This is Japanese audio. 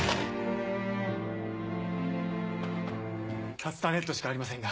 カスタネットしかありませんが。